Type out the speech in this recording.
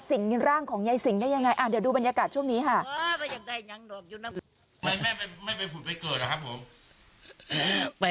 สิ่งร่างของยายสิงได้ยังไงเดี๋ยวดูบรรยากาศช่วงนี้ค่ะ